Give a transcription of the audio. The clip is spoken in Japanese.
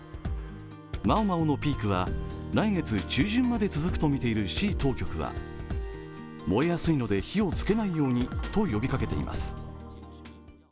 毛毛のピークは来月中旬まで続くと見ている市当局は燃えやすいので火をつけないようにと呼びかけています。